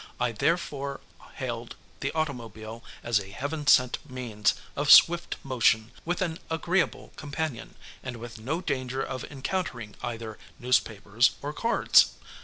I therefore hailed the automobile as a Heaven sent means of swift motion with an agreeable companion, and with no danger of encountering either newspapers or cards.